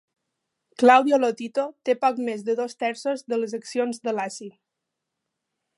Claudio Lotito té poc més de dos terços de les accions de Laci.